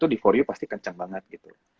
di for you pasti kencang banget gitu